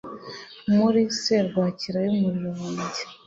muri serwakira y'umuriro wanjye